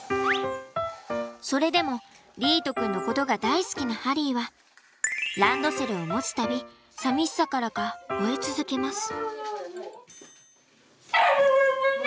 それでも莉絃くんのことが大好きなハリーはランドセルを持つ度寂しさからか吠え続けます。